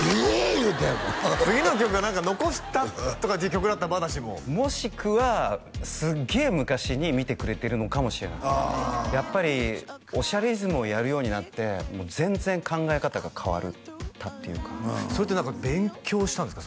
言うてもう次の曲が「残した」とかっていう曲だったらまだしももしくはすげえ昔に見てくれてるのかもしれないやっぱり「おしゃれイズム」をやるようになって全然考え方が変わったっていうかそれって何か勉強したんですか？